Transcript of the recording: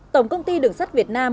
tổng công ty đường sắt việt nam